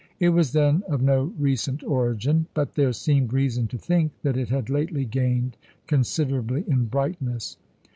It was, then, of no recent origin; but there seemed reason to think that it had lately gained considerably in brightness.